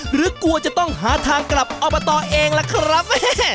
หรือกลัวจะต้องหาทางกลับอบตเองล่ะครับ